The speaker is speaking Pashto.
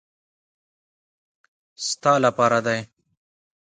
ستا له پاره دي .